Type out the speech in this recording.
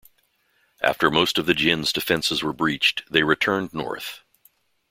After most of the Jin's defences were breached, they returned north.